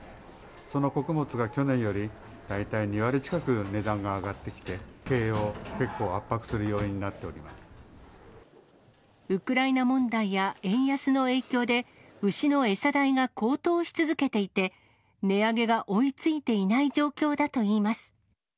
その穀物が去年より大体２割近く値段が上がってきて、経営を結構ウクライナ問題や円安の影響で、牛の餌代が高騰し続けていて、値上げが追いついていない状況だといいます。